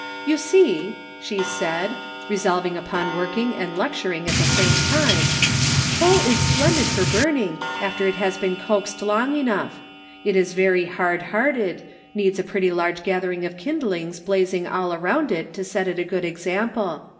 " You see," she said — resolved upon working and lecturing at the same time —" coal is splendid for burning, after it has been coaxed long enough ; it is very hard hearted, needs a pretty large gathering of kindlings blazing all around it to set it a good example.